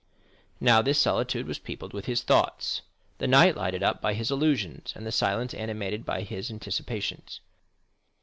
Now this solitude was peopled with his thoughts, the night lighted up by his illusions, and the silence animated by his anticipations.